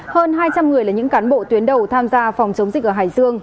hơn hai trăm linh người là những cán bộ tuyến đầu tham gia phòng chống dịch ở hải dương